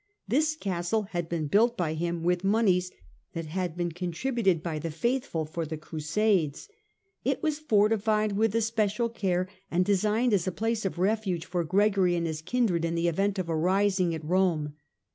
This castle had been built by him with moneys that had been con tributed by the faithful for the Crusades. It was fortified with" especial care and designed as a place of refuge for Gregory and his kindred in the event of a rising at Rome.